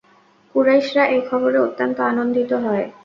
কুরাইশরা এ খবরে অত্যন্ত আনন্দিত হয়।